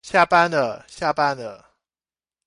下班了下班了